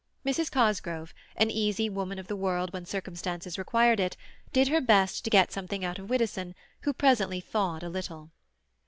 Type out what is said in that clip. Mrs. Cosgrove, an easy woman of the world when circumstances required it, did her best to get something out of Widdowson who presently thawed a little.